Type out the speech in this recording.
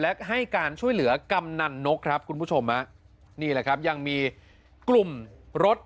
และให้การช่วยเหลือกำนันนกครับคุณผู้ชมฮะนี่แหละครับยังมีกลุ่มรถ